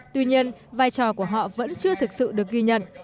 tuy nhiên vai trò của họ vẫn chưa thực sự được ghi nhận